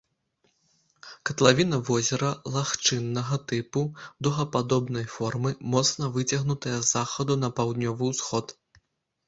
Катлавіна возера лагчыннага тыпу дугападобнай формы, моцна выцягнутая з захаду на паўднёвы ўсход.